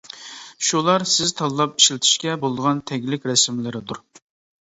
شۇلار سىز تاللاپ ئىشلىتىشكە بولىدىغان تەگلىك رەسىملىرىدۇر.